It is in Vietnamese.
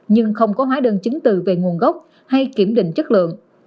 nhưng không có hóa đơn chứng từ về nguồn gốc hay kiểm định chất lượng